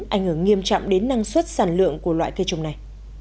ảnh hưởng nghiêm trọng đến năng suất sản lượng của loại cây trồng này